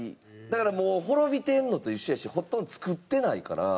だからもう滅びてるのと一緒やしほとんど作ってないから。